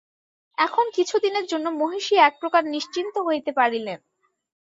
এখন কিছু দিনের জন্য মহিষী একপ্রকার নিশ্চিন্ত হইতে পারিলেন।